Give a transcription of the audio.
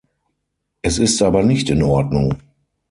Es ist aber nicht in Ordnung!